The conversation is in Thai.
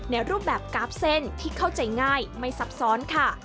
รูปแบบกราฟเส้นที่เข้าใจง่ายไม่ซับซ้อนค่ะ